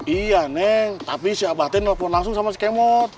iya neng tapi si abah teng nelfon langsung sama si kemot